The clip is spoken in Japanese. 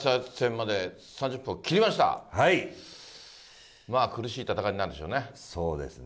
まあ苦しい戦いになるでしょうね。